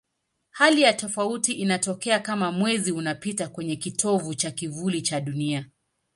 Hali ya tofauti inatokea kama Mwezi unapita kwenye kitovu cha kivuli cha Dunia.